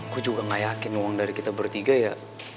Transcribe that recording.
gue juga gak yakin uang dari kita bertiga ya